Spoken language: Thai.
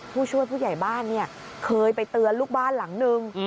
ผู้ช่วยผู้ใหญ่บ้านเนี่ยเคยไปเตือนลูกบ้านหลังนึง